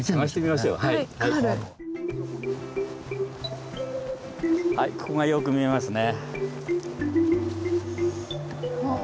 はいここがよく見えますね。